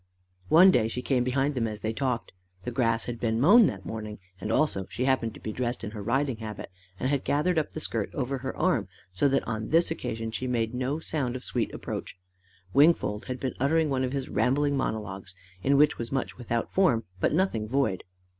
One day she came behind them as they talked. The grass had been mown that morning, and also she happened to be dressed in her riding habit and had gathered up the skirt over her arm, so that on this occasion she made no sound of sweet approach. Wingfold had been uttering one of his rambling monologues in which was much without form, but nothing void.